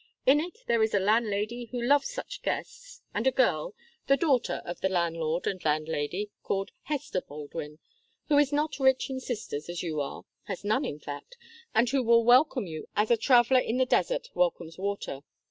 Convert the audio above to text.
In it there is a landlady who loves such guests, and a girl the daughter of the landlord and landlady called Hester Baldwin, who is not rich in sisters as you are has none, in fact, and who will welcome you as a traveller in the desert welcomes water.